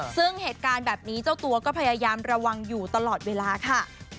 ซึ่งเหตุการณ์แบบนี้เจ้าตัวก็พยายามระวังอยู่ตลอดเวลาค่ะ